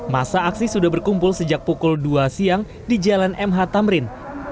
masa aksi sudah berkumpul sejak pukul dua siang di jalan mh tamrin